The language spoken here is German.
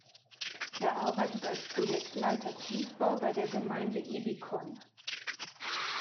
Er arbeitet als Projektleiter Tiefbau bei der Gemeinde Ebikon.